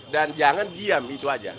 dan jangan diam itu aja